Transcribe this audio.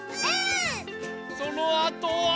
そのあとは。